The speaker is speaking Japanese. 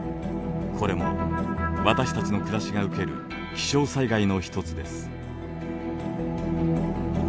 これも私たちの暮らしが受ける気象災害の一つです。